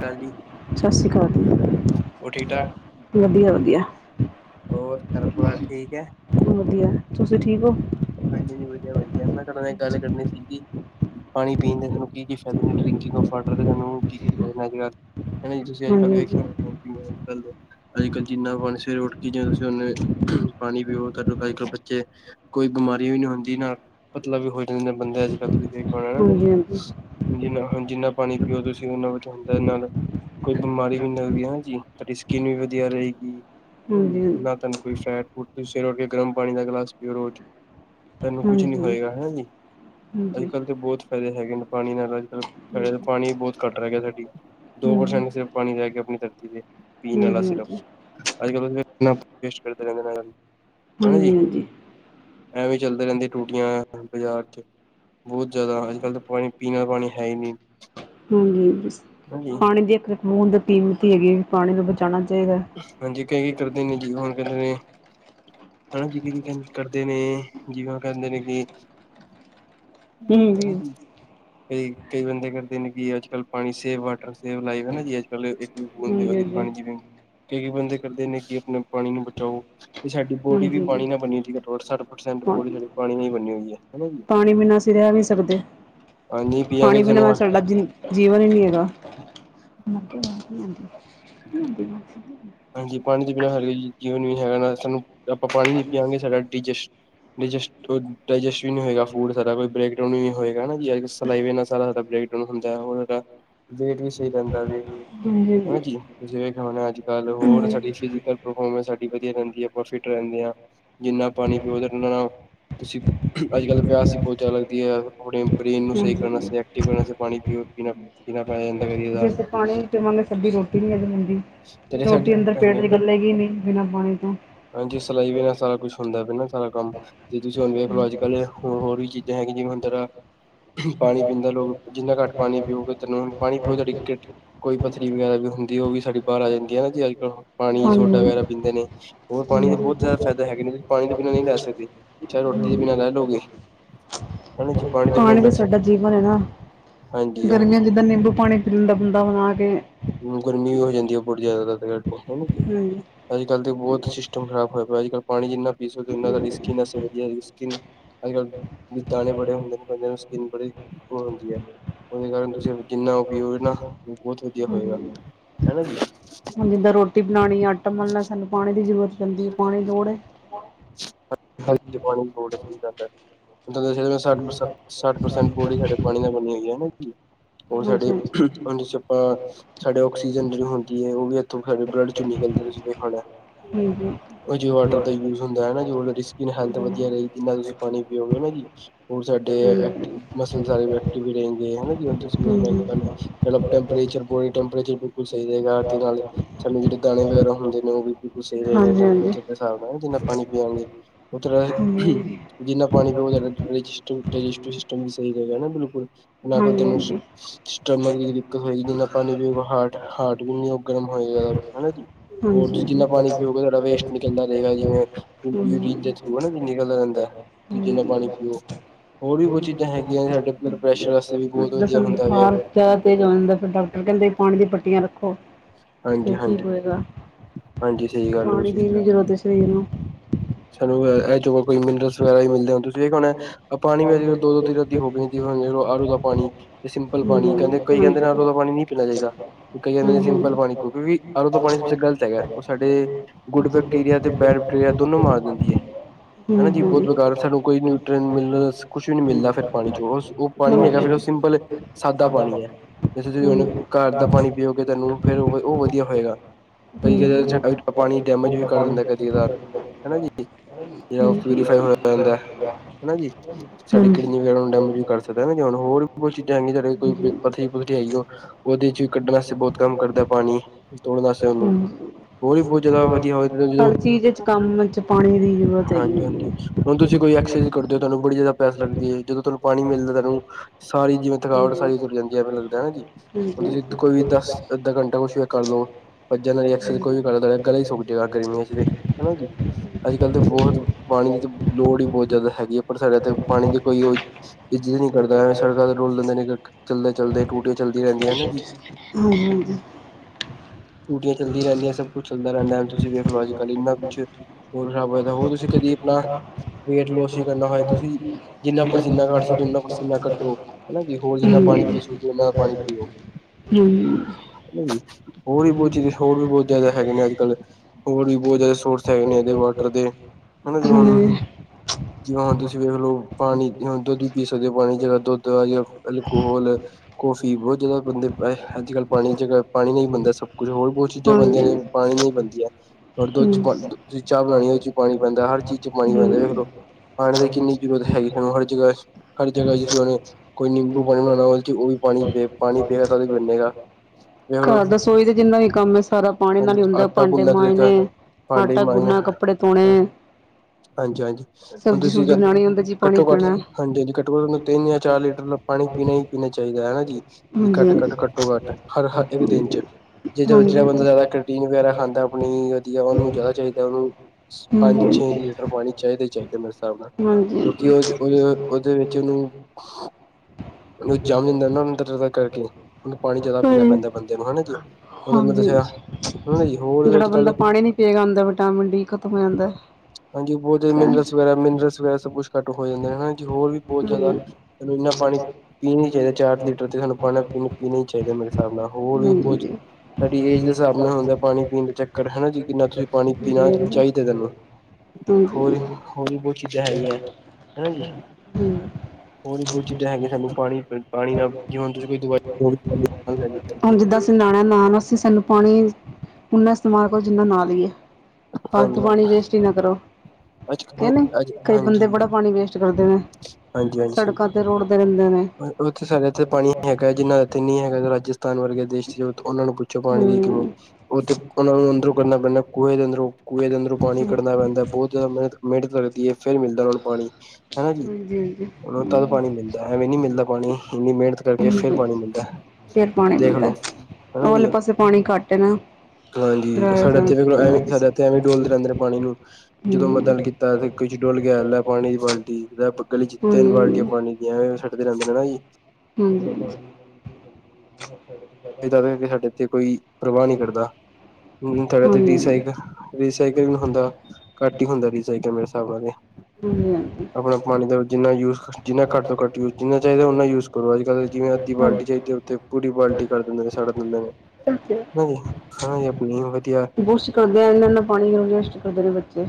ਟੱਲ ਜੀ ਸਤਿ ਸ਼੍ਰੀ ਅਕਾਲ ਜੀ ਕੀ ਹੋਰ ਠੀਕ ਠਾਕ ਹਾਲ ਵਧੀਆ ਵਧੀਆ ਹੋਰ ਘਰ ਪਰਿਵਾਰ ਠੀਕ ਹੈ [unintelligible] ਵਧੀਆ ਤੁਸੀਂ ਠੀਕ ਹੋ ਹਾਂਜੀ ਨੀ ਵਧੀਆ ਵਧੀਆ ਮੈਂ ਤੁਹਾਡੇ ਇੱਕ ਗੱਲ ਕਰਨੀ ਸੀਗੀ ਪਾਣੀ ਪੀਣ ਦੇ ਕੀ ਕੀ ਫਾਇਦੇ ਨੇ ਡਰਿੰਕਿੰਗ ਵਾਟਰ ਸਾਨੂੰ ਕੀ ਉਹ ਮੈਂ ਕਿਹਾ ਨਹੀਂ ਤੁਸੀਂ ਅੱਜ ਕੱਲ ਹਾਂਜੀ ਵੇਖਿਆ ਲੋਕੀ ਅੱਜ ਕੱਲ ਦੇ ਅੱਜ ਕੱਲ ਜਿੰਨਾ ਪਾਣੀ ਸਵੇਰੇ ਉੱਠ ਕੇ ਜਿਵੇਂ ਤੁਸੀਂ ਹਨੇ ਪਾਣੀ ਪੀਓ ਤੁਹਾਡੇ ਅੱਜ ਕੱਲ ਬੱਚੇ ਕੋਈ ਬਿਮਾਰੀ ਵੀ ਨਹੀਂ ਹੁੰਦੀ ਨਾਲ ਪਤਲਾ ਵੀ ਹੋ ਜਾਂਦਾ ਬੰਦਾ ਅੱਜ ਕੱਲ ਤੁਸੀਂ ਦੇਖ ਹਾਂਜੀ ਹਾਂਜੀ [unintelligible] ਜਿੰਨਾ ਜਿੰਨਾ ਪਾਣੀ ਪੀਓ ਤੁਸੀਂ ਓਨਾ ਦਾ ਨਾਲ ਕੋਈ ਬਿਮਾਰੀ ਵੀ ਲੱਗਦੀ ਜੀ ਤੁਹਾਡੀ ਸਕਿਨ ਵੀ ਵਧੀਆ ਰਹੇਗੀ ਹਾਂਜੀ ਹਾਂਜੀ ਮੇਰੇਨਾ ਤੁਹਾਨੂੰ ਕੋਈ ਫੈਟ ਫੂਟ ਸਿਰ ਉਠ ਕੇ ਗਰਮ ਪਾਣੀ ਦਾ ਗਿਲਾਸ ਪਿਓ ਰੋਜ਼ ਸਾਨੂੰ ਕੁਛ ਨੀ ਹਾਂਜੀ ਹੋਏਗਾ ਹਨਾ ਜੀ ਅੱਜ ਹਾਂਜੀ ਹਾਂਜੀ ਕੱਲ ਤਾਂ ਬਹੁਤ ਫ਼ਾਇਦੇ ਹੈਗੇ ਨੇ ਪਾਣੀ ਨਾਲ ਅੱਜ ਕੱਲ ਸਾਡੇ ਹਾਂਜੀ ਪਾਣੀ ਬਹੁਤ ਘੱਟ ਰਹਿ ਗਿਆ ਦੋ ਪਰਸੈਂਟ ਸਿਰਫ ਪਾਣੀ ਜਾ ਕੇ ਆਪਣੀ ਧਰਤੀ ਤੇ ਪੀਣ ਵਾਲਾ ਹਾਂਜੀ ਸਿਰਫ਼ ਅੱਜ ਕੱਲ ਦੇ ਕਿੰਨਾ ਰਸ਼ ਕਰਦੇ ਹਨਾ ਜੀ ਹਾਂਜੀ ਹਾਂਜੀ ਐਵੇਂ ਚੱਲਦੇ ਰਹਿੰਦੇ ਟੂਟੀਆਂ ਬਾਜ਼ਾਰ ਚ ਬਹੁਤ ਜ਼ਿਆਦਾ ਅੱਜ ਕੱਲ ਤਾਂ ਪਾਣੀ ਪੀਨਰ ਪਾਣੀ ਹੈ ਹੀ ਨਹੀਂ ਹੂ ਹਾਂਜੀ ਪਾਣੀ ਦੀ ਇੱਕਬੂੰਦ ਦੀ ਕੀਮਤ ਹੀ ਹੈਗੀ ਹੈ ਵੀ ਪਾਣੀ ਤੋਂ ਬਚਾਉਣਾ ਚਾਹੀਦਾ ਹਾਂਜੀ ਕਈ ਕਰਦੇ ਨੇ ਜੀ ਹੁਣ ਕੱਢਨੇ ਹਨਾ ਜੀ ਕਰਦੇ ਨੇ ਜੀਵਾਂ ਕਹਿੰਦੇ ਕਿ ਹਾਂਜੀ ਹਾਂਜੀ [unintelligible] ਕਈ ਕਈ ਬੰਦੇ ਕਰਦੇ ਨੇ ਕਿ ਅੱਜ ਕੱਲ ਪਾਣੀ ਸੇਵ ਵਾਟਰ ਸੇਫ ਲਾਈਫ ਹੈਨਾ ਜੀ ਕੱਲੇ ਇੱਕ ਬੂੰਦ ਹਾਂਜੀ ਪਾਣੀ ਜਿਵੇਂ ਕਈ ਬੰਦੇ ਕਰਦੇ ਨੇ ਕਿ ਪਾਣੀ ਨੂੰ ਬਚਾਓ ਤੇ ਸਾਡੀ ਬੋਡੀ ਵੀ ਹਾਂਜੀ ਪਾਣੀ ਨਾਲ ਬਣੀ ਹੋਈ ਸੀ ਘੱਟ ਤੋਂ ਘੱਟ ਸੱਠ ਪਰਸੈਂਟ ਬੋਡੀ ਹਾਂਜੀ ਸਾਡੀ ਪਾਣੀ ਨਾਲ ਹੀ ਬਣੀਨੀ ਹੋਈ ਹੈ ਹਨਾ ਜੀ ਪਾਣੀ ਬਿਨਾਂ ਅਸੀਂ ਰਹਿ ਵੀ ਨਹੀਂ ਸਕਦੇ ਪੀਆਂਗੇ ਪਾਣੀ ਬਿਨਾਂ ਸਾਨੂੰ ਮੈਂ ਸੰਗਤ ਜੀ ਜੀਵਨ ਹੀ ਨਹੀਂ ਹੈਗਾ [inaudible] ਹਾਂਜੀ [inaudible] ਹਾਂਜੀ ਪਾਣੀ ਦੇ ਬਿਨਾਂ ਹਰ ਜੀਵਨ ਵੀ ਹੈਗਾ ਸਾਨੂੰ ਆਪਾਂ ਪਾਣੀ ਨੀ ਪੀਆਂਗੇ ਸਾਡਾ ਡਿਜਸਟ ਡਾਇਜਸਟ ਡਾਇਜੈਸਟ ਵੀ ਨਹੀਂ ਹੋਗਾ ਫੂਡਾ ਕੋਈ ਬ੍ਰੇਕਡਾਊਨ ਵੀ ਨਹੀਂ ਹੋਏਗਾ ਨਾ ਜਿਵੇਂ ਏਕਸਰਸਾਈਸ ਬਿਨਾ ਸਾਰਾ ਦਿਨ ਬ੍ਰੇਕਡਾਨ ਹੁੰਦਾ ਹੈ, ਉਹਾ ਵੇਟ ਵੀ ਸਹੀ ਰਹਿੰਦਾ ਵੀ, ਹਨਾ ਹਾਂਜੀ ਜੀ ਤੁਸੀਂ ਵਖਾਉਦੇ, ਅੱਜ ਕੱਲ੍ਹ ਹੋਰ ਹਾਂਜੀ ਸਾਡੀ ਫਿਜ਼ਜੀਕਲ ਪਰਫੋਰਮੈਂਸ ਸਾਡੀ ਵਧੀਆ ਰਹਿੰਦੀ ਹੈ ਆਪਾਂ ਫਿਟ ਰਹਿੰਦੇ ਹਾਂ ਜਿੰਨਾ ਪਾਣੀ ਪਿਓ ਨਾਂ ਨਾਲ ਤੁਸੀਂ, ਅੱਜ ਕੱਲ੍ਹ ਪਿਆਸ ਹੀ ਬਹੁਤ ਜ਼ਿਆਦਾ ਲੱਗਦੀ ਹੈ। ਆਪਣੇ ਬ੍ਰੇਨ ਨੂੰ ਸਹੀ ਕਰਨਾ ਐਕਟਿਵ ਕਰਨਾ ਵਾਸਤੇ, ਪਾਣੀ ਪੀਓ ਪਣਾ ਪੀਣਾ ਪੈ ਜਾਂਦਾੀ ਜਿਸਦ ਪਾਣੀ ਨੀ ਪੀਵਾਂਗੇ, ਸਾਡੀ ਸਬਜੀ ਰੋਟੀ ਨੀ ਹਜਮ ਹੁੰਦੀ। ਤੇ ਸਾਡੀ ਰੋਟੀ ਅੰਦਰ ਪੇਟ ਗਲੇਗੀ ਨੀ, ਬਿਨਾਂ ਪਾਣੀ ਤੋਂ ਹਾਂਜੀ ਸਿਲਾਈ ਬਿਨਾਂ ਸਾਰਾ ਕੁੱਛ ਹੁੰਦਾ ਪ ਨਾ ਸਾਰਾ ਕੰਮ, ਜੇ ਤੁਸੀਂ ਹੁਣ ਵੇਖ ਲੋ ਅੱਜ ਕੱਲ ਹੋਰ ਵੀ ਚੀ ਜਾ ਹੈਗੀ, ਜੀਵਨ ਤਾਂ ਪਾਣੀ ਪੀਂਦਾ ਲੋਕ, ਜਿੰਨਾ ਘੱਟ ਪਾਣੀ ਪੀਓਗੇ ਤੈਨੂੰ ਪਾਣੀ ਪੀਓ ਤੁਹਾਡੀ ਕਿ ਕੋਈ ਪੱਥਰੀ ਵਗੈਰਾ ਵੀ ਹੁੰਦੀ ਉਹ ਵੀ ਸਾਡੀ ਬਾਹਰ ਆ ਜਾਂਦੀ ਹੈ ਨਾ ਜੇ ਅੱਜ ਕੱਲ, ਪਾਣੀ ਸੋਡਾ ਹਾਂਜੀ ਵਗੈਰਾ ਪੀਂਦੇ ਨੇ ਹੋਰ ਪਾਣੀ ਦੇ ਬਹੁਤ ਜ਼ਿਆਦਾ ਫਾਇਦਾ ਹੈਗੇ ਨੇ, ਤੁਸੀਂ ਪਾਣੀ ਦੇ ਬਿਨਾਂ ਨਹੀਂ ਰੈ ਸਕਦੇ ਚਾਹੇ ਰੋਟੀ ਦੇ ਬਿਨਾਂ ਰੈ ਲਓਗੇ ਹਾਂਜੀ ਹਾਂਜੀ ਪਾਣੀ ਪੀਣ ਸਾਡਾ ਜੀਵਨ ਹੈ ਨਾ, ਹਾਂ ਗਰਮੀਆਂ ਜਿੱਦਾਂ ਨਿੰਬੂ ਪਾਣੀ ਪੀ ਲੈਂਦਾ ਬੰਦਾ ਬਣਾ ਕੇ ਗਰਮੀ ਵੀ ਹੋ ਜਾਂਦੀ ਹੈ ਬਹੁਤ ਜ਼ਿਆਦਾ, ਹਨਾ ਕੀ ਹਾਂਜੀ ਅੱਜ ਕੱਲ੍ਹ ਤਾਂ ਬਹੁਤ ਸਿਸਟਮ ਸਿਸਟਮ ਖਰਾਬ ਹੋਇਆਏ ਅੱਜ ਕੱਲ, ਪਾਣੀ ਜਿਨਾ ਪੀ ਸਕ ਦੇੰ ਨਾ ਸਾਡੀ ਸਕਿਨ ਵਾਸਤੇ ਵਧੀਆ ਅੱਜ ਕੱਲ੍ਹ ਦਾਣੇ ਬੜੇ ਹੁੰਦੇ ਨੇ, ਬੰਦਿਆਂ ਨੂੰ ਸਕਿਨ ਬੜੀ ਹੋਰ ਹੁੰਦੀ ਹੈ ਉਹਦੇ ਕਾਰਨ, ਤੁਸੀਂ ਜਿੰਨਾ ਪਾਣੀ ਪੀੳਗੇ ਨਾ- ਵਧੀਆ ਹੋਏਗਾ ਹਮ ਹਨਾ ਜੀ ਹੁਣ ਜਿੱਦਾਂ ਰੋਟੀ ਬਣਾਣੀ ਆਟਾ ਮਲਣਾ, ਸਾਨੂੰ ਪਾਣੀ ਦੀ ਜ਼ਰੂਰਤ ਪੈਂਦੀ ਹੈ ਪਾਣੀ ਲੋੜ ਹਾਂਜੀ ਪਾਣੀ ਲੋੜ, ਸਹੀ ਗੱਲ ਹੈ ਸੱਠ ਸੱਠ ਪਰਸੈਂਟ ਬੋਲੀ ਸਾਡੇ ਪਾਣੀ ਨਾਲ ਬਣੀ ਹੋਈ ਜੀ ਉਹਰ ਹਾਂਜੀ ਸਾਡੇ, ਉਹਦੇ ਆਪਾਂ ਸਾਡੇ ਆਕਸੀਜਨ ਜਿਹੜੀ ਹਾਂਜੀ ਹੁੰਦੀ ਹੈ ਉਹ ਵੀ ਇੱਥੋਂ ਸਾਡੇ ਬਲੱਡ ਹਾਂਜੀ ਨਿਕਲਦੀ ਤੁਸੀਂ ਵੇਖਿਆ ਹੋਣਾ, ਹਾਂਜੀ ਉਹ ਜ ਵਾਟਰ ਦਾ ਯੂਜ ਹੁੰਦਾ ੳ ਐ ਜੀ ਸਕਿਨ ਹੈਲਥ ਵਧੀਆ ਰਹੇਗੀ, ਜਿੰਨਾ ਤੁਸੀਂ ਪਾਣੀ ਪੀਓਗੇ ਹਨਾ ਜੀ ਹੋਰ ਸਾਡੇ ਮਸਲ ਸਾਰੇ ਐਕਟਿਵ ਵੀ ਰਹਿੰਦੇ, ਹਨਾ ਜੀ ਤੁਸੀਂ ਵਖਲੋ ਅੱਜ ਕੱਲ, ਟੈਂਪਰੇਚਰ ਬੋਡੀ ਟੈਂਪਰੇਚਰ ਬਿਲਕੁਲ ਸਹੀ ਰਹੇਗਾ ਤੇ ਨਾਲ ਸਾਨੂੰ ਜਿਹੜੇ ਦਾਣੇ ਵਗੈਰਾ ਹੁੰਦੇ ਨੇ, ਉਹ ਵੀ ਬਿਲਕੁਲ ਸਹੀ ਰਹਿਣਗੇ ਹਾਂਜੀ ਹਾਂਜੀ ਟੈਂਪਰੇਚਰ ਦੇ ਹਿਸਾਬ ਨਾਲ ਨਾ ਜਿੰ ਉਰ- ਹਾਂਜੀ ਜਿੰਨਾ ਪਾਣੀ ਪੀੳਗੇ, ਡਾਇਜੈਸਟਵ ਸਿਸਟਮ ਵੀ ਸਹੀ ਰਹੇਗਾ ਬਿਲਕੁਲ ਨਾ ਕੋ ਹਾਂਜੀ ਤੈਨੂੰ ਸ ਹਾਂਜੀ ਸਟਮਕ ਦੀ ਦਿੱਕਤ ਹੋਏਗੀ, ਜਿੰਨਾ ਪਾਣੀ ਪੀਆ ਗੇ ਹਾਟ ਹਾਰਟ ਵੀ ਨਹੀਂ ਗਰਮ ਹੋਏਗਾ ਹਨਾ ਜੀ, ਹੋਰ ਹਾਂਜੀ ਤੁਸੀਂ ਜੀ ਜਿੰਨਾ ਪਾਣੀ ਪੀਓਗੇ ਤੁਹਾਡਾ ਜਿੱਦਾਂ ਵੇਸਟ ਨਿਕਲਦਾ ਰਹੇਗਾ ਜਿਵੇਂ ਅਮਿਊਟੀ ਜਲ ਨਾ ਜਿਨ੍ਹਾਂ ਨਿਕਲ ਆਉਂਦਾ, ਤੁਸੀਂ ਜਿੰਨਾ ਪਾਣੀ ਪੀਓ ਹੋਰ ਵੀ ਬਹੁਤ ਚੀਜ਼ਾਂ ਹੈਗੀਆਂ, ਸਾਡੇ ਬਲੱਡ ਪ੍ਰੈਸ਼ਰ ਵਾਸਤੇ ਵੀ ਬਹੁਤ ਜੇ ਵਧੀਆ ਸਾਨੂੰ ਹੁੰਦਾ ਪਿਆ ਬੁਖਾਰ ਜ਼ਿਆਦਾ ਤੇਜ਼ ਹੋ ਜਾਂਦਾ, ਫਿਰ ਡਾਕਟਰ ਕਹਿੰਦੇ ਪਾਣੀ ਦੀ ਪੱਟੀਆਂ ਰੱਖੋ ਹਾਂਜੀ ਫੇਰ ਹਾਂਜੀ ਠੀਕ ਹੋਏਗਾ, ਹਾਂਜੀ ਸਹੀ ਗੱਲ ਹੈ, ਪਾਣੀ ਤੁਸੀਂ ਦੀ ਵੀ ਜ਼ਰੂਰਤ ਹੈ ਸਰੀਰ ਨੂੰ ਸਾਨੂੰ ਇਹ ਜੋੋਂ ਕੋਈ ਮਿਲਦਾ, ਪਾਣੀ ਤੋਂ ਹੀ ਮਿਲਦੇ ਹੁੰਦੇ ਜਿਵੇਂ ‌ਹੁਣ ਪਾਣੀ ਵੀ ਆ ਦੋ ਦੋ ਤਿੰਨ ਆਰੋ ਦਾ ਪਾਣੀ ਸਿੰਪਲ ਪਾਣੀ, ਕਈ ਕਹਿੰਦੇ ਆਰੋ ਦਾ ਪਾਣੀ ਨਹੀਂੀ ਪੀਣਾ ਚਾਹੀਦਾ ਕਈਆਂ ਨੇ ਸਿੰਪਲ ਪਾਣੀ ਤੋਂ, ਕਿਉਂਕਿ ਆਰੋ ਦਾ ਪਾਣੀ ਸਭ ਗਲਤ ਹੈਗਾ ਉਹ ਸਾਡੇ ਗੁਰਦੇ ਬੈਕਟੀਰੀਆ ਤੇ ਬੈ ਬੈਕਟੀਰੀਆ ਦੋਨੋ ਮਾਰ ਦਿੰਦੀ ਹੈ, ਹੂੰ ਹਨਾ ਜੀ ਬਹੁਤ ਬੇਕਾਰ ਸਾਨੂੰ ਕੋਈ ਨਿਊਟਰ ਮੀਨਰਲਸ ਕੁਛ ਵੀ ਨੀ ਮਿਲਦਾ ਫਿਰ ਪਾਣੀ ਚ, ਉਹ ਪਾਣੀ ਨੀ ਹੈਗਾ ਫਿਰ ਉਹ ਸਿੰਪਲ ਸਾਦਾ ਪਾਣੀ ਹੈ ਜਿੱਥੇ ਤੁਸੀਂ ਹੁਨ ਘਰ ਦਾ ਪਾਣੀ ਪੀਓਗੇ ਤੁਹਾਨੂੰ, ਫਿਰ ਉਹ ਵਧੀਆ ਹੋਏਗਾ ਕਈ ਕਦੇ ਪਾਣੀ ਡੈਮੇਜ ਵੀ ਕਰ ਦਿੰਦਾ, ਕਦੇ ਕਦਾਰ ਹਨਾ ਜੀ, ਜਿਹੜਾ ਉਹ ਪੳਰੀਫਾਈ ਹੋ ਜਾਂਦਾ ਹਨਾ ਜੀ ਹਮ- ਸਾਡੀ ਕਿਡਨੀ ਵਗੈਰਾ ਨੂੰ ਡੈਮੇਜ ਵੀ ਕਰ ਸਕਦਾ ਹੈ ਨਾ, ਜਾਂ ਹੋਰ ਬਹੁਤ ਚੀਜ਼ਾਂ ਹੈਗੀਆ ਕੋਈ ਜੀ ਪਥਰੀ ਪੁਥਰੀ ਆਈ ਹੋਵੇ ਉਹਦੇ ਚ ਵੀ ਕੱਢਣ ਵਾਸਤੇ ਬਹੁਤ ਕੰਮ ਕਰਦਾ ਪਾਣੀ, ਤੋੜਨ ਵਾਸਤੇ ਉਹਨੂੰ ਹਾਂਜੀ। ਹੋਰ ਵੀ ਬਹੁਤ ਜਿਆਦਾ ਵਧੀਆ ਹੋ, ਜਦੋਂ ਹਰ ਚੀਜ਼ ਚ ਕੰਮ 'ਚ ਪਾਣੀ ਦੀ ਜ਼ਰੂਰਤ ਹੈਗੀ, ਹਾਂਜੀ ਹੈਗੀ ਹਾਂਜੀ ਹੈ। ਹੁਣ ਤੁਸੀਂ ਕੋਈ ਐਕਸਰਸਾਈਜ ਕਰਦੇ ਹੋ, ਤੁਹਾਨੂੰ ਬੜੀ ਜ਼ਿਆਦਾ ਪਿਆਸ ਲੱਗਦੀ ਏ, ਜਦੋ ਤੁਹਾਨੂੰ ਪਾਣੀ ਮਿਲਦਾ [unintelligible] ਸਾਰੀ ਜਿਵੇਂ ਥਕਾਵਟ, ਸਾਰੀ ਉਤਰ ਜਾਂਦੀ ਹੈ ਐਵੇਂ ਲੱਗਦਾ ਨਾ ਜੀ? ਹੁਣ ਤੁਸੀਂ ਕੋਈ ਵੀ ਦਸ, ਅੱਧਾ ਘੰਟਾ ਕੁਛ ਵੀ ਕਰ ਲਉ, ਪਜਨ ਆਲੀ ਐਕਸਰਸਾਈਜ਼ ਕੋਈ ਵੀ ਕਰ ਲੋ, ਤੁਆਡਾ ਗਲਾ ਈ ਸੁਕ ਜਾਏਗਾ, ਗਰਮੀਆਂ ਇੱਚ ਤੇ। ਹਨਾ ਜੀ? ਅੱਜ ਕੱਲ੍ਹ ਤੇ ਬਹੋਤ, ਪਾਣੀ ਦੀ ਤੇ ਲੋੜ ਈ ਬਹੋ ਜਦ ਹੈਗੀ ਏ, ਪਰ ਸਾਡੇ ਏਥੇ ਪਾਣੀ ਦੀ ਕੋਈ ਉਹ ਤੇ ਜੀ ਨੀ ਕਰਦਾ ਐਵੇਂ ਸੜਕਾਂ ਤੇ ਰੋਲ ਦੇਂਦੇ ਨੇ, ਚੱਲਦੇ-ਚੱਲਦੇ ਟੂਟੀਆਂ ਚੱਲਦੀ ਰਹਿੰਦੀਆਂ, ਹਨਾ ਜੀ? ਹੂੰ-ਹੂੰ। ਟੂਟੀਆਂ ਚੱਲਦੀ ਰਹਿੰਦੀਆਂ, ਸਭ ਕੁਛ ਚੱਲਦਾ ਰਹਿੰਦਾ, ਹੁਣ ਤੁਸੀਂ ਵੇਖ ਲੋ ਅੱਜ ਕੱਲ ਇੰਨਾ ਕੁਛ ਹੋਰ ਖ਼ਰਾਬ ਹੋਇਆ ਦਾ, ਹੁਣ ਤੁਸੀਂ ਕਦੀ ਇਨ੍ਹਾਂ ਵੇਟ ਲੋਸ ਹੀ ਕਰਨਾ ਹੋਏ ਤੁਸੀਂ, ਜਿੰਨਾ ਪਸੀਨਾ ਕੱਢ ਸਕਦੇ ਓ, ਉਨਾਂ ਪਸੀਨਾ ਕੱਢੋ। ਹਨਾ ਜੀ, ਹੋਰ ਜਿੰਨਾ ਪਾਣੀ ਪੀ ਸਕਦੇ ਹੋ ਔਨਾਂ ਪਾਣੀ ਪੀਓ। [unintelligible] ਹੋਰ ਵੀ ਬਹੁਤ ਚੀਜ਼, ਹੋਰ ਵੀ ਬਹੋਤ ਜ਼ਿਆਦਾ ਹੈਗੇ ਨੇ ਅੱਜ ਕੱਲ੍ਹ, ਹੋਰ ਵੀ ਬਹੁਤ ਜ਼ਿਆਦਾ ਸੋਰਸ ਹੈਗੇ ਨੇ ਇਹਦੇ ਵਾਟਰ ਦੇ, ਹਨਾ ਜੀ ਹੁਣ ਜਿਵੇਂ ਹੁਣ ਤੁਸੀਂ ਵੇਖ ਲੋ, ਪਾਣੀ ਦੀਆਂ ਦੁੱਧ ਵੀ ਪੀ ਸਕਦੇ ਹੋ, ਪਾਣੀ ਦੀ ਜਗ੍ਹਾ ਦੁੱਧ, ਅੱਜ ਕੱਲ ਅਲਕੋਹਲ ਕੋਫੀ ਬਹੁਤ ਜਿਆਦਾ ਬੰਦੇ ਆਹੇ, ਅੱਜ ਕੱਲ੍ਹ ਪਾਣੀ ਦੀ ਜਗ੍ਹਾ, ਪਾਣੀ ਨਾਲ ਈ ਹਾਂਜੀ ਬਣਦਾ ਏ ਸਭ ਕੁਛ, ਹੋਰ ਬਹੁਤ ਚੀਜ਼ਾਂ ਬਣਦੀਆਂ ਹੂੰ ਨੇ। ਪਾਣੀ ਨਾ ਈ ਬੰਦਿਆਂ ਹੈ, ਹੁਣ ਦੁੱਧ ਚ ਹੂੰ ਪਾ, ਤੁਸੀਂ ਚਾਹ ਬਣਾਣੀ ਹੋਏ, ਉਹਦੇ ਚ ਵੀ ਪਾਣੀ ਪੈਂਦਾ, ਹਰ ਚੀਜ਼ ਚ ਪਾਣੀ ਪੈਂਦਾ, ਵੇਖ ਲੋ ਪਾਣੀ ਦੀ ਕਿੰਨੀ ਜ਼ਰੂਰਤ ਹੈਗੀ, ਹੁਣ ਹਰ ਜਗ੍ਹਾ, ਹਰ ਜਗ੍ਹਾ [unintelligible] ਕੋਈ ਨਿੰਬੂ ਪਾਣੀ ਬਣਾਉਣਾ ਹੋਏ ਉਦੇ ਚ, ਉਹ ਵੀ ਪਾਣੀ ਪੇ, ਪਾਣੀ ਪਏਗਾ ਤਦ ਈ ਬਨੇਗਾ। ਕਾਰ ਦਾ, ਰਸੋਈ ਦਾ ਜਿੰਨਾ ਵੀ ਕੰਮ ਏ, ਸਾਰਾ ਪਾਣੀ ਨਾਲ ਹਾਂਜੀ ਈ ਹੁੰਦਾ, ਆਟਾ ਭਾਂਡੇ ਗੁੰਨਨਾ ਤੁਸੀਂ ਤਾਂ ਮਾਂਜਣੇ ਭਾਂਡੇ ਆਟਾ ਗੁੰਣਾ, ਕੱਪੜੇ ਧੋਣੇ। ਹਾਂਜੀ-ਹਾਂਜੀ। ਹੁਣ ਸਬਜ਼ੀ ਤੁਸੀਂ, ਸੁਬਜ਼ੀ ਬਣਾਉਣੀ ਉਹਦੇ ਚ ਹੀ ਪਾਣੀ ਘੱਟੋ ਘੱਟ ਪੈਣਾ ਹਾਂਜੀ-ਹਾਂਜੀ ਘੱਟੋ ਘੱਟ ਤਿੰਨ ਯਾ ਚਾਰ ਲੀਟਰ ਪਾਣੀ ਪੀਣਾ ਈ ਪੀਣਾ ਚਾਈਦਾ ਹਨਾ ਜੀ, ਹਾਂਜੀ ਘੱਟ-ਘੱਟ ਘੱਟੋ ਘੱਟ ਹਰ ਹ, ਇੱਕ ਦਿਨ ਚ। ਹਾਂਜੀ ਜਿਹਦੇ ਹਾਂਜੀ ਜਿਹੜਾ ਬੰਦਾ ਜ਼ਿਆਦਾ ਹਾਂਜੀ ਕ੍ਰਟੀਨ ਵਗੈਰਾ ਖਾਂਦਾ ਏ, ਹਾਂਜੀ-ਹਾਂਜੀ। ਪਨੀਰ ਜੇਵੇਂ ਉਹਨੂੰ ਜ਼ਿਆਦਾ ਚਾਹੀਦਾ ਉਹਨੂੰ, ਪੰਜ ਛੇ ਹਾਂਜੀ-ਹਾਂਜੀ, ਲੀਟਰ ਪਾਣੀ ਚਾਹੀਦਾ ਈ ਚਾਈ ਮੇਰੇ ਹਾਬ ਨਾਲ, ਕਿਉਂਕਿ ਉਹ ਚ ਉਹ ਉਹਦੇ ਵਿੱਚ ਉਹਨੂੰ [unintelligible] ਦੇਂਦਾ ਅੰਦਰ ਕਰਕੇ, ਉਹਨੂੰ ਪਾਣੀ ਜਿਆਦਾ ਸਹੀ ਏ, ਪੀਣਾ ਪੈਂਦਾ ਬੰਦੇ ਨੂੰ, ਹਨਾ ਜੀ। ਉਹ ਮੈਂ ਦੱਸਿਆ, ਹਾਂਜੀ-ਹਾਂਜੀ। ਹਾਂ ਜੀ, ਹੋਰ ਵੀ ਅੱਜ ਕੱਲ੍ਹ ਏਕ ਆਂਦਾ ਵਿਟਾਮਿਨ ਡੀ ਖਤਮ ਹੋ ਜਾਂਦਾ। ਹਾਂਜੀ, ਬਹੁਤ ਜ਼ਿਆਦਾ ਐ। ਮਿਨਰਲਸ ਵਗੈਰਾ, ਮਿਨਰਲਸ ਵਗੈਰਾ, ਸਭ ਕੁਛ ਘੱਟ ਹੋ ਜਾਂਦਾ ਹਨਾ ਜੀ, ਹੋਰ ਵੀ ਬਹੁਤ ਹੂੰ। ਜ਼ਿਆਦਾ ਸਾਨੂੰ ਇੰਨਾ ਪਾਣੀ, ਪੀਣਾ ਨੀ ਹਾਂਜੀ। ਚਾਹੀਦਾ, ਚਾਰ ਲੀਟਰ ਤੇ ਸਾਨੂੰ ਪਾਣੀ ਪੀ ਪੀਣਾ ਹੀ ਚਾਹੀਦਾ ਮੇਰੇ ਹਿਸਾਬ ਨਾਲ, ਹੋਰ ਵੀ ਬਹੁਤ ਹਾਂਜੀ। ਸਾਡੀ ਏਜ ਦੇ ਹਿਸਾਬ ਨਾਲ ਹੁੰਦਾ ਪਾਣੀ ਪੀ ਦਾ ਚੱਕਰ, ਹਨਾ ਜੀ? ਇਨ੍ਹਾਂ ਤੁਸੀਂ ਪਾਣੀ ਪੀਣਾ ਚਾਈਦਾ ਈ ਤਨੂੰ, ਹੋਰ ਈ ਹੋਰ ਵੀ ਬਹੁਤ ਚੀਜ਼ਾਂ ਹੈਗੀਆਂ। ਹੈਨਾ ਜੀ। ਹੂੰ। ਹੋਰ ਵੀ ਬਹੁਤ ਚੀਜ਼ਾਂ ਹੈਗੀਆਂ, ਸਾਨੂੰ ਪਾਣੀ, ਪਾਣੀ ਨਾਲ, ਜਿਵੇੰ ਹੁਣ ਤੁਸੀਂ ਕੋਈ ਦਵਾਈ [unintelligible] ਲੈ ਮੈਂ ਨਾਨਾ ਸੀ ਸਾਨੂੰ ਪਾਣੀ, ਉਨਾ ਇਸਤੇਮਾਲ ਕਰੋ ਜਿੰਨਾ ਨਾ ਲਈਏ, ਪਾਲਤੂ ਪਾਣੀ ਵੇਸਟ ਈ ਨਾ ਕਰੋ, ਅੱਜ ਕੇ ਨਈ? ਕਈ ਬੰਦੇ ਹਾਂਜੀ ਬੜਾ ਪਾਣੀ ਵੇਸਟ ਕਰਦੇ ਨੇ। [inaudible] ਹਾਂਜੀ-ਹਾਂਜੀ ਸਈ ਸੜਕਾਂ ਗੱਲ, ਤੇ ਰੋੜਦੇ ਰਹਿੰਦੇ ਨੇ ਉੱਥੇ ਸਾਡੇ ਏਥੇ ਪਾਣੀ ਨੀ ਹੈਗਾ, ਜਿਨ੍ਹਾਂ ਏਥੇ ਨੀ ਹੈਗਾ, ਰਾਜ ਤਾਨ ਵਰਗੇ ਦੇਸ਼ ਦੇ ਜੋ, ਉਹਨਾਂ ਨੂੰ ਪੁੱਛੋ ਪਾਣੀ ਦੀ ਇੱਕਹ ਨੂੰ। ਹੂੰ ਉੱਥੇ ਉਹਨਾ ਨੂੰ ਅੰਦਰੋਂ ਕਰੱਨਾ ਪੈਂਦਾ ਕੂਏ ਦੇ ਅੰਦਰੋਂ, ਕੁੂਏ ਦੇ ਅੰਦਰੋਂ ਪਾਣੀ ਹੂੰ ਕੱਢਨਾ ਪੈਂਦਾ। ਬਹੋਤ ਜ਼ਿਆਦਾ ਮੇਹਤ, ਮੇਹਨਤ ਲਗਦੀ ਏ, ਫੇਰ ਮਿਲਦਾ ਉਹਨਾਂ ਨੂੰ ਪਾਣੀ। ਹੈ ਨਾ ਜੀ, ਹਾਂਜੀ ਹਾਂਜੀ ਉਨ੍ਹਾਂ ਨੂੰ ਤਦ ਹੂੰ ਪਾਣੀ ਮਿਲਦਾ ਐਵੇਂ ਨਈ ਮਿਲਦਾ ਪਾਣੀ, ਇੰਨੀ ਮੇਅਨਤ ਕਰਕੇ, ਫੇਰ ਪਾਣੀ ਮਿਲਦਾ ਏ। ਫੇਰ ਪਾਣੀ ਮਿਲਦਾ ਏ, ਉਹ ਆਲੇ ਪਾਸੇ ਪਾਣੀ ਘੱਟ ਏ ਨਾ। ਹਾਂਜੀ, ਸਾਡੇ ਰਾਜਸਥਾਨ ਏਥੇ ਵੇਖ ਲੋ ਐਵੇਂ ਈ, ਸਾਡੇ ਇੱਥੇ ਐਵੇਂ ਈ ਰਾਜਸਥਾਨ ਡੋਲਦੇ ਰਹਿੰਦੇ ਨੇ ਪਾਣੀ ਨੂੰ, ਜਦੋਂ ਮ ਦਿਲ ਕੀਤਾ ਏਥੇ ਹੂੰ ਕੁਛ ਡੋਲ ਬੀ ਏ ਹੈਲੇ ਪਾਣੀ ਦੀ ਬਾਲਟੀ, ਲੈ ਗਲੀ ਚ ਤਿੰਨ ਹਾਂਜੀ ਬਾਲਟੀਆਂ ਪਾਣੀ ਦੀਆਂ, ਐਵੇਂ-ਐਵੇਂ ਸਟਦੇ ਰੇਂਦੇ ਨਾ ਜੀ। ਹਾਂਜੀ-ਹਾਂਜੀ। [unintelligible] ਬੀ ਤਾਂ ਹੈ ਵੀ ਸਾਡੇ ਇੱਥੇ ਕੋਈ ਪ੍ਰਵਾਹ ਨਹੀਂ ਕਰਦਾ। ਹੂੰ-ਹੂੰ ਹਾਂਜੀ ਤੁਹਾਡੇ ਐਥੇ ਹਾਂਜੀ ਰੀਸਾਈਕਲ, ਰੀਸਾਈਕਲ ਨਈ ਹੁੰਦਾ? ਘੱਟ ਹੀ ਹੁੰਦਾ ਹੈਗਾ ਮੇਰੇ ਹਿਸਾਬ ਨਾਲ। [unintelligible] ਆਪਣਾ ਪਾਣੀ ਦਾ ਜਿਨਾ ਯੂਜ ਜਿੰਨਾ ਘੱਟ ਤੋਂ ਘੱਟ ਯੂਜ ਜਿੰਨਾ ਚਾਹੀਦਾ ਉਹਨਾ ਯੂਜ ਕਰੋ ਅੱਜ ਕੱਲ ਜਿਵੇਂ ਅੱਧੀ ਬਾਲਟੀ ਹਾਂਜੀ ਚਾਹੀਦੀ ਉੱਥੇੂ ਪੂਰੀ ਬਾਲਟੀ ਕਰ ਦਿੰਦੇ ਨੇ ਛੱਡ ਦਿੰਦੇ ਨੇ ਹਾਂਜੀ- ਹਾਂਜੀ ਆਪਣੀ ਵਧੀਆ ਬੁਰਸ਼ ਕਰਦੇ ਇਹਦੇ ਨਾਲ ਪਾਣੀ ਅਧਜਸਤ ਕਰਦੇ ਰਹੇ ਬੱਚੇ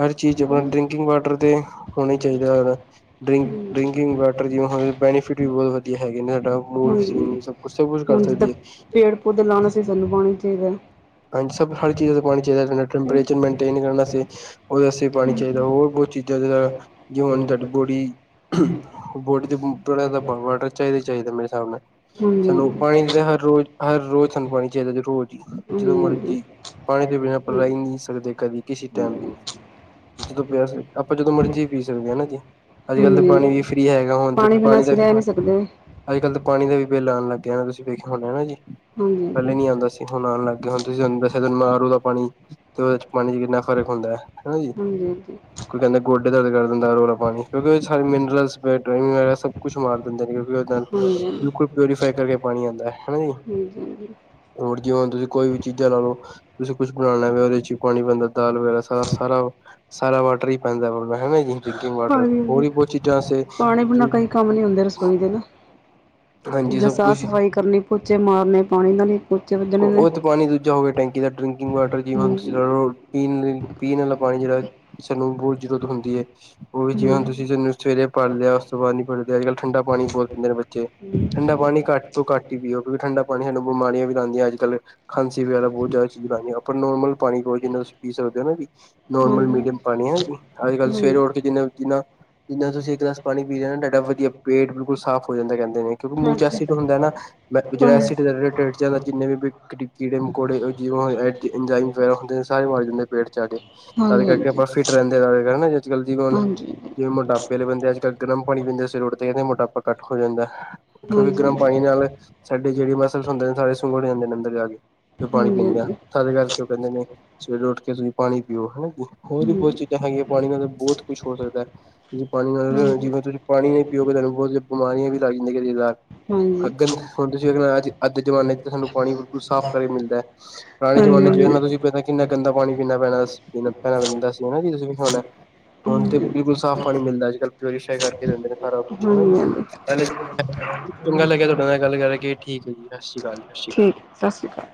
ਹਰ ਚੀਜ਼ ਠੀਕ ਹੈ ਆਪਣਾ ਨਾ ਡਰਿੰਕਿੰਗ ਵਾਟਰ ਤੇ ਹੋਣਾ ਹੀ ਚਾਹੀਦਾ ਹੈ ਡਰਿੰਕ ਡਰਿੰਕਿੰਗ ਹਮ ਵਾਟਰ ਜਿਵੇਂ ਬੈਨੀਫਿਟ ਵੀ ਬਹੁਤ ਵਧੀਆ ਹੈਗੇ ਨੇ ਸਾਡਾ ਮੂਡ ਹਾਂਜੀ ਸਭ ਕੁਛ ਸਭ ਕੁਛ ਕਰ ਹੁਣ ਜਿੱਦਾਂ ਸਕਦੀ ਹੈ। ਪੇੜ ਪੌਦੇ ਲਾਉਣਾ ਸੀ ਸਾਨੂੰ [unintelligible] ਹਾਂਜੀ। ਸਭ ਹਰ ਚੀਜ਼ ਦਾ ਪਾਣੀ ਚਾਹੀਦਾ ਟੈਂਪਰੇਚਰ ਮੇਨਟੇਨ ਕਰਨ ਵ ਉਹਦੇ ਵਸਤੇ ਹਾਂਜੀ ਪਾਣੀ ਹਾਂਜੀ ਚਾਹੀਦਾ ਹੋਰ ਬਹੁਤ ਚੀਜ਼ਾਂ ਹੁਣ ਤੁਹਾਡੀ ਬੋਡੀ ਬੋਡੀ ਚ ਬੜਾ ਵਾਟਰ ਚਾਹੀਦਾ ਹੀ ਚਾਹੀਦਾ ਮੇਰੇ ਹਿਸਾਬ ਨਾਲ ਸਾਨੂੰ ਪਾਣੀ ਹਾਂਜੀ ਹਾਂਜੀ ਹਰ ਰੋਜ਼ ਹਰ ਰੋਜ਼ ਸਾਨੂੰ ਪਾਣੀ ਚਾਹੀਦਾ ਰੋਜ਼ ਹੀ ਜਦੋਂ ਮਰਜੀ ਪਾਣੀ ਤੋਂ ਬਿਨਾਂ ਪਰ ਰਹਿ ਨਹੀਂ ਸਕਦੇ ਕਦੇ ਕਿਸੇ ਟਾਈਮ ਵੀ ਨਹੀਂ ਜਦੋਂ ਪਿਆਸ ਆਪਾਂ ਜਦੋਂ ਮਰਜ਼ੀ ਵੀ ਪੀ ਸਕਦੇ ਹਾਂ ਹਨਾ ਜੀ। ਅੱਜ ਕੱਲ੍ਹ ਤਾਂ ਪਾਣੀ ਵੀ ਫ੍ਰਰੀ ਹੈਗਾ ਹੁਣ ਤੇ ਬਿਨਾਂ ਪਾਣੀ ਦਾ ਅਸੀਂ ਰਹਿ ਨਹੀਂ ਸਕਦੇ ਅੱਜ ਕੱਲ੍ਹ ਤਾਂ ਪਾਣੀ ਦਾ ਵੀ ਬਿੱਲ ਆਉਣ ਲੱਗ ਗਿਆ ਨਾ ਤੁਸੀਂ ਵੇਖਿਆ ਹਨਾ ਜੀ ਹਾਂਜੀ ਪਹਿਲੇ ਨੀ ਹਾਂਜੀ ਆਉਦਾ ਸੀ ਹੁਣ ਆਉਣ ਲੱਗ ਗਿਆ ਹੁਣ ਤੁਸੀਂ ਤੁਹਾਨੂੰ ਦੱਸਿਆ ਤੁੂੰ ਮਾਰੂ ਦਾ ਪਾਣੀ ਤੇ ਉਹਦੇ ਚ ਪਾਣੀ ਚ ਕਿੰਨਾ ਫ਼ਰਕ ਹੁੰਦਾ ਹੈ ਹਨਾ ਜੀ। ਹਾਂਜੀ-ਹਾਂਜੀ। ਕੋਈ ਕਹਿੰਦੇ ਗੋਡੇ ਦਰਦ ਕਰ ਦੇਦਾ ਇਹ ਵਾਲਾ ਪਾਣੀ ਕਿਉਂਕਿ ਮਿਨਰਲ ਵਗੈਰਾ ਸਭ ਕੁਛ ਮਾਰ ਦਿੰਦੇ ਨੇ ਕਿਉਂਕਿ ਉਹਦੇ ਨਾਲ ਹਾਂਜੀ-ਹਾਂਜੀ, ਲਕਡ ਪਿਓਰੀਫਾਈ ਕਰਕੇ ਪਾਣੀ ਆਉਂਦਾ ਹੈ ਹਨਾ ਜੀ ਹਾਂਜੀ-ਹਾਂਜੀ। [unintelligible] ਕੋਈ ਵੀ ਚੀਜ਼ਾਂ ਨਾਲੋਂ ਤੁਸੀਂ ਕੁਛ ਬਣਾਉਣਾ ਉਹਦੇ ਚ ਹੀ ਪਾਣੀ ਪੈਦਾ ਦਾਲ ਵਗੈਰਾ ਸਾਰਾ- ਸਾਰਾ ਸਾਰਾ ਵਾਟਰ ਹੀ ਪੈਂਦਾ ਹੈਗਾ ਜੀ। ਡਰਿੰਕਿੰਗ ਵਾਟਰ ਹੋਰ ਹਾਂਜੀ, ਵੀ ਬਹੁਤ ਚੀਜ਼ਾਂ ਪਾਣੀ ਬਿਨਾਂ ਵਾਸਤੇ ਕੋਈ ਕੰਮ ਨੀ ਹੁੰਦੇ ਰਸੋਈ ਦੇ ਨਾ ਹਾਂਜੀ ਜ ਸਭ ਸਾਫ਼ ਕੁਛ ਸਫ਼ਾਈ ਕਰਨੀ ਪੋਚੇ ਮਾਰਨ ਪਾਣੀ ਨਾਲ ਨ ਪੋਚੇ ਵੱਜਣੇ ਨੇ। ਉਹ ਤੇ ਪਾਣੀ ਦੂਜਾ ਹੋ ਗਿਆ [unintelligible] ਹੂੰ। ਪੀਣ ਲਈ ਪੀਣ ਵਾਲਾ ਪਾਣੀ ਜਿਹੜਾ ਸਾਨੂੰ ਬਹੁਤ ਜ਼ਰੂਰਤ ਹੁੰਦੀ ਹੈ। ਉਹ ਵੀ ਜਿਵੇਂ ਹਾਂਜੀ-ਹਾਂਜੀ, ਤੁਸੀਂ ਸਾਨੂੰ ਸਵੇਰੇ ਪੜ੍ਹ ਲਿਆ ਉਸ ਤੋਂ ਬਾਅਦ ਨੀ ਪੜਦੇ ਅੱਜ ਕੱਲ ਠੰਡਾ ਪਾਣੀ ਬਹੁਤ ਪੀਂਦੇ ਨੇ ਬੱਚੇ ਠੰਡਾ ਪਾਣੀ ਘੱਟ ਤੋਂ ਘੱਟ ਹੀ ਪੀਓ ਕਿਉਂਕਿ ਠੰਡਾ ਪਾਨੀ ਸਾਨੂੰ ਬਮਾਰੀਆਂ ਵੀ ਲਾਉਂਦੀਆਂ ਅੱਜ ਕ੍ਹਲ ਖਾਂਸੀ ਵਗੈਰਾ ਬਹੁਤ ਜ਼ਿਆਦਾ ਚੀਜ਼ਾਂ ਖਉਦੀਆਂ ਆਪਾਂ ਨੋਰਮਲ ਪਾਣੀ ਪਾਓ ਜਨਾ ਤੁਸੀਂ ਪੀ ਸਕਦੇ ਹੋ ਨਾ ਵੀ ਨੋਰਮਲ ਮੀਡੀਅਮ ਪਾਣੀ ਹੈ ਅੱਜ ਕੱਲ੍ਹ ਸਵੇਰੇ ਹਾਂਜੀ। ਉੱਠ ਕੇ ਜਿੰਨਾ- ਜਿੰਨਾ ਜਿੱਨਾ ਤੁਸੀਂ ਇੱਕ ਗਲਾਸ ਪਾਣੀ ਪੀ ਲਿਆਣਾ ਨਾ ਤੁਹਾਡਾ ਹਾਂਜੀ ਵਧੀਆ ਪੇਟ ਬਿਲਕੁਲ ਸਾਫ਼ ਹੋ ਜਾਂਦਾ ਕਹਿੰਦੇ ਨੇ ਕਿਉਕਿ ਮੂਚਾਸਿਡ ਹੁੰਦਾ ਨਾ। ਮੈਂਜਟਡ ਜਿੰਨੇ ਵੀ ਕੀੜੇ ਮਕੌੜੇ ਜਿਵੇਂ ਇੰਜਾਈਮ ਵਗੈਰਾ ਹੁੰਦੇ ਸਾਰੇ ਮਰ ਜਾਂਦੇ ਪੇਟ ਚ ਆ ਕੇ ਤਦੇ ਕਰਕੇ ਆਪਾਂ ਫਿਟ ਰਹਿੰਦੇ ਆ ਅੱਜ ਕੱਲ ਜਿਵੇ ਹੁਣ ਜਿਵੇਂ ਮੋਟਾਪੇ ਵਾਲੇ ਬੰਦੇ ਅੱਜ ਕੱਲ ਗਰਮ ਪਾਣੀ ਪੀਦੇ ਸਵੈਰੇ ਉਡਦੇ ਇਹਦੇ ਮੋਟਾਪਾ ਘੱਟ ਹੋ ਜਾਂਦਾ। ਕਿਉਂਕਿ ਗਰਮ ਪਾਣੀ ਨਾਲ ਸਾਡੇ ਜਿਹੜੇ ਮਸਲ ਹੁੰਦੇ ਨੇ ਸਾਰੇ ਸੁੰਗਰ ਜਾਂਦੇ ਨੇ ਅੰਦਰ ਜਾ ਕੇ, ਕਿ ਪਾਣੀ ਪੀਂਦੇ ਆ ਸਾਰੇ ਕਰਕੇ ਉਹ ਕਹਿੰਦੇ ਨੇ ਸਵੇਰੇ ਉੱਠ ਕੇ ਤੁਸੀਂ ਪਾਣੀ ਪੀਓ ਹਨਾ ਜੀ ਹੋਰ ਵੀ ਬਹੁਤ ਚੀਜ਼ਾਂ ਹੈਗੀਆਂ ਪਾਣੀ ਨਾਲ ਬਹੁਤ ਕੁੱਛ ਹੋ ਸਕਦਾ। ਤੁਸੀਂ ਪਾਣੀ ਨਾਲ ਜਿਵੇਂ ਤੁਸੀਂ ਪਾਣੀ ਨੀ ਪੀਓਗੇ ਤੁਹਾਨੂੰ ਬਹੁਤ ਬਿਮਾਰੀਆਂ ਵੀ ਲੱਗ ਜਾਂਦੀਆਂ। ਕਈ ਵਾਰ। ਅੱਗਨ ਹੁਣ ਤੁਸੀਂ ਅਗ ਅੱਜ ਅੱਜ ਦੇ ਜਮਾਨੇ ਚ ਸਾਨੂੰ ਪਾਣੀ ਬਿਲਕੁਲ ਸਾਫ਼ ਕਰਕੇ ਮਿਲਦਾ ਹੈ। ਪੁਰਾਣੇ ਜ਼ਮਾਨੇ ਚ ਵੇਖਣਾ ਤੁਸੀਂ ਪਤਾ ਕਿੰਨਾ ਗੰਦਾ ਪਾਣੀ ਪੀਣਾ ਪੈਣਾ ਪੀਣਾ ਪੈਣਾ ਪਦਾ [unintelligible] ਹੁਣ ਤੇ ਹਾਂਜੀ ਬਿਲਕੁਲ ਸਾਫ਼ ਪਾਣੀ ਮਿਲਦਾ ਅੱਜ ਕੱਲ੍ਹ ਪਿਊਰੀਫਾਈ ਕਰਕੇ ਦਿੰਦੇ ਨੇ ਸਾਰਾ ਕੁਛ ਹਨਾ ਜੀ। ਹਾਂਜੀ ਚੰਗਾ ਲੱਗਿਆ ਤੁਹਾਡੇ ਨਾਲ ਗੱਲ ਕਰਕੇ ਠੀਕ ਹੈ ਜੀ ਸਤਿ ਸ਼੍ਰੀ ਅਕਾਲ ਜੀ। ਠੀਕ ਸਤਿ ਸ਼੍ਰੀ ਅਕਾਲ